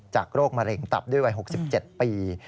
โรคมะเร็งตับด้วยวัย๖๗ปี